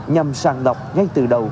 nhằm sàng lọc ngay từ đầu